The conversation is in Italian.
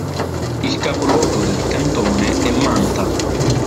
Il capoluogo del cantone è Manta.